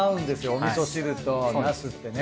おみそ汁とナスってね。